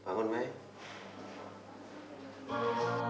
bangun maaf